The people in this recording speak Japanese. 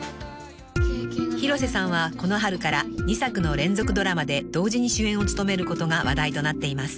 ［広瀬さんはこの春から２作の連続ドラマで同時に主演を務めることが話題となっています］